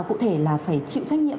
cụ thể là phải chịu trách nhiệm